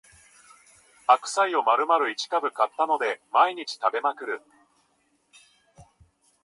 白菜をまるまる一株買ったので毎日食べまくる